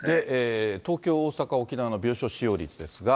東京、大阪、沖縄の病床使用率ですが。